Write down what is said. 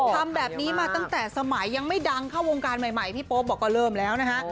ทำแบบนี้มาตั้งแต่สมัยยังไม่ดังเข้าวงการใหม่พี่โป๊ปบอกก็เริ่มแล้วนะฮะ